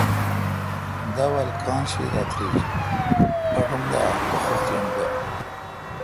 داول کاں شی دا تریجیت، باٹ اُم دہ کہ خختی ام دا۔